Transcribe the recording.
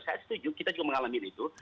saya setuju kita juga mengalami itu